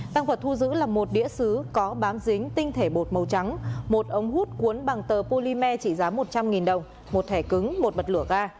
tăng vật thu giữ là một đĩa xứ có bám dính tinh thể bột màu trắng một ống hút cuốn bằng tờ polymer chỉ giá một trăm linh đồng một thẻ cứng một bật lửa ga